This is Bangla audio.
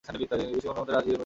বিনোদিনী কোনোমতেই রাজি হইল না।